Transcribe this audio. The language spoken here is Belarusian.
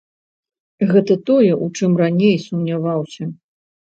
Гэта тое, у чым раней сумняваўся.